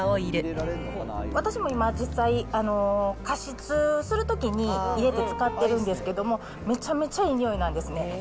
私も今、実際、加湿するときに入れて使ってるんですけども、めちゃめちゃいい匂いなんですね。